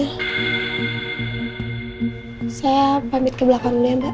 bisa saya pambit ke belakang dulu ya mbak